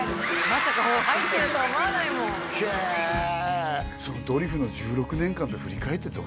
まさか入ってるとは思わないもんへえ！